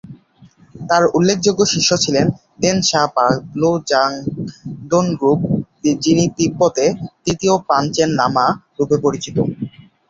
তার উল্লেখযোগ্য শিষ্য ছিলেন দ্বেন-সা-পা-ব্লো-ব্জাং-দোন-গ্রুব যিনি তিব্বতে তৃতীয় পাঞ্চেন লামা রূপে পরিচিত।